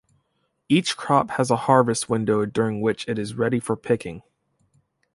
Each crop has a harvest window during which it is ready for picking.